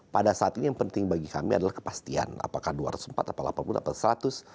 pada saat ini yang penting bagi kami adalah kepastian apakah dua ratus empat atau delapan puluh atau seratus